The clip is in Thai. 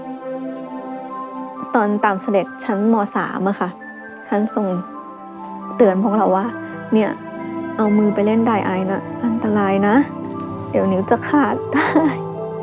ตอนตามเสด็จชั้นม๓อะค่ะท่านทรงเตือนพวกเราว่าเนี่ยเอามือไปเล่นได้ไอนะอันตรายนะเดี๋ยวนิ้วจะขาดได้